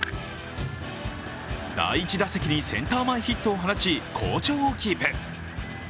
第１打席にセンター前ヒットを放ち、好調をキープ。